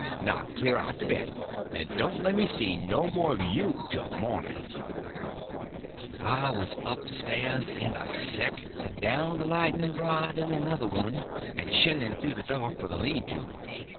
Now cler out to bed, and don't lemme see no more of you till morning!" I was up stairs in a second, and down the lightning rod in another one, and shinning through the dark for the lean to.